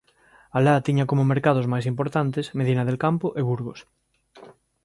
A la tiña como mercados máis importantes Medina del Campo e Burgos.